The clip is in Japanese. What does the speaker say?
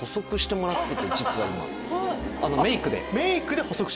メイクで。